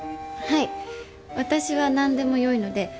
はい私は何でも良いので。